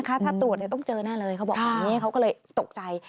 ถ้าตรวจต้องเจอแน่เลยเขาบอกแบบนี้เขาก็เลยตกใจ